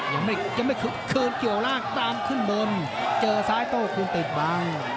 ยังไม่เคินเกี่ยวล่างตามขึ้นเบิ่มเจอซ้ายโต้คืนติดบัง